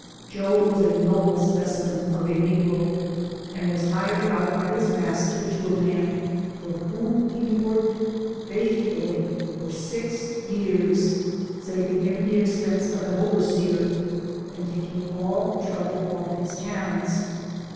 Joe was a noble specimen of a negro, and was hired out by his master to a man for whom he work ed faithfully for six years, saving him the expense of an overseer, and taking all trouble off his hands.